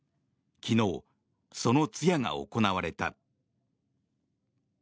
昨日、その通夜が行われた。